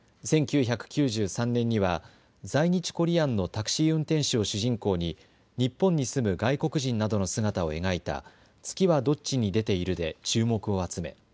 １９９３年には在日コリアンのタクシー運転手を主人公に日本に住む外国人などの姿を描いた月はどっちに出ているで注目を集め